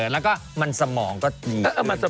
แล้วก็มันสมองก็ดี